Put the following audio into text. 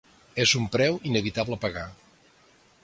És un preu inevitable a pagar.